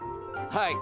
はい。